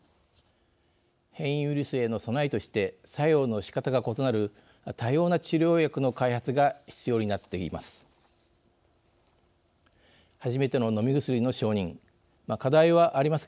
変異ウイルスへの備えとして作用の仕方が異なる多様な治療薬の開発が必要になっています。